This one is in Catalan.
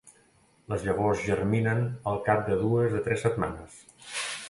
Les llavors germinen al cap de dues a tres setmanes.